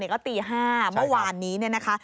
ก็ตี๕บาทเมื่อวานนี้นะคะ